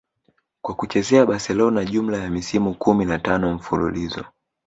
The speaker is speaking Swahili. kwa kuchezea Barcelona jumla ya misimu kumi na tano mfululizo